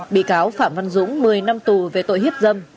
bị cáo phạm văn dũng một mươi năm tù về tội hiếp dâm